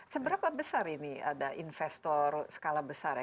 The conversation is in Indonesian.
seberapa besar ini ada investor skala besar ya